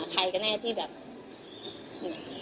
พี่ลองคิดดูสิที่พี่ไปลงกันที่ทุกคนพูด